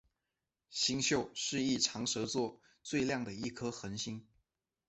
星宿一是长蛇座最亮的一颗恒星。